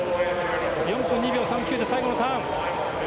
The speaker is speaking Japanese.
４分２秒３９で最後のターン。